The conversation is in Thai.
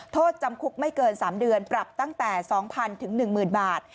โทษจำคุกไม่เกิน๓เดือนปรับตั้งแต่๒๐๐๐๑๐๐บาท